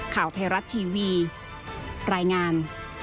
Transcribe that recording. ข่าวไทยรัฐทีวีรายงาน